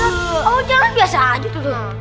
awal jalan biasa aja tuh tuh